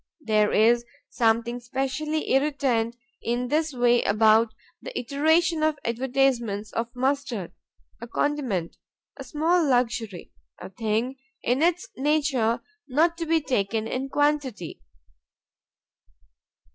There is something specially irritant in this way about the iteration of advertisements of mustard: a condiment, a small luxury; a thing in its nature not to be taken in quantity.